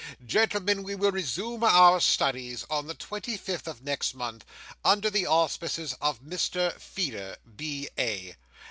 Gentlemen, we will resume our studies on the twenty fifth of next month, under the auspices of Mr Feeder, B.A."